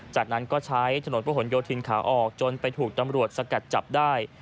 จากนั้นก็ใช้ถนนพระหลโยธินขาออกจนไปถูกตำรวจสกัดจับได้